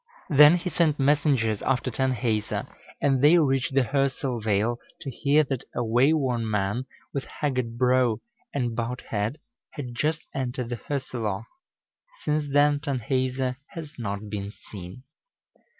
Then he sent messengers after Tanhäuser, and they reached the Hörsel vale to hear that a wayworn man, with haggard brow and bowed head, had just entered the Hörselloch. Since then Tanhäuser has not been seen.